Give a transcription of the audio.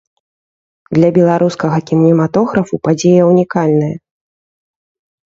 Для беларускага кінематографу падзея ўнікальная.